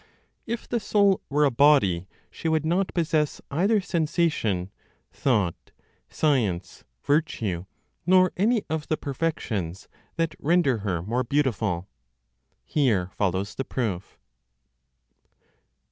If the soul were a body, she would not possess either sensation, thought, science, virtue, nor any of the perfections that render her more beautiful. Here follows the proof.